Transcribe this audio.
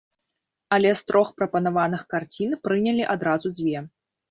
Але з трох прапанаваных карцін прынялі адразу дзве.